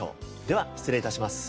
では失礼致します。